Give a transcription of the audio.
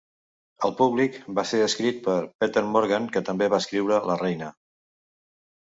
"El públic" va ser escrit per Peter Morgan, qui també va escriure "la Reina".